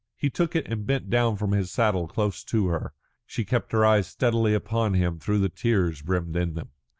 He took it and bent down from his saddle close to her. She kept her eyes steadily upon him though the tears brimmed in them.